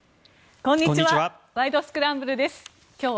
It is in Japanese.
こんにちは。